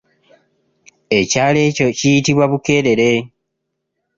Ekyalo ekyo kiyitibwa Bukeerere.